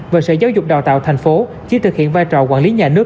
và sở giáo dục đào tạo thành phố chỉ thực hiện vai trò quản lý nhà nước